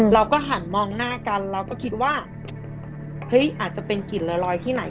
เราก็หันมองหน้ากันเราก็คิดว่าเฮ้ยอาจจะเป็นกลิ่นลอยที่ไหน